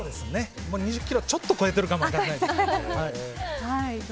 ２０ｋｇちょっと超えてるかも分からないです。